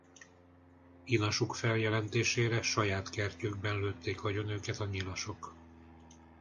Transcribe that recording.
Inasuk feljelentésére saját kertjükben lőtték agyon őket a nyilasok.